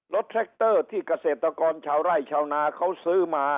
แทรคเตอร์ที่เกษตรกรชาวไร่ชาวนาเขาซื้อมา